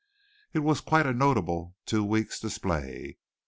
It was quite a notable two weeks' display.